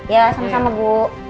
ya sama sama bu